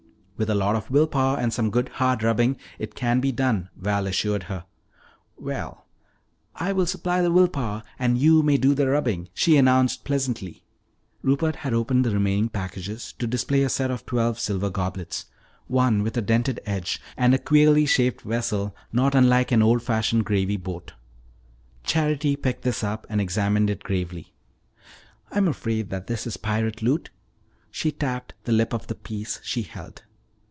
"With a lot of will power and some good hard rubbing it can be done," Val assured her. "Well, I'll supply the will power and you may do the rubbing," she announced pleasantly. Rupert had opened the remaining packages to display a set of twelve silver goblets, one with a dented edge, and a queerly shaped vessel not unlike an old fashioned gravy boat. Charity picked this up and examined it gravely. "I'm afraid that this is pirate loot." She tapped the lip of the piece she held.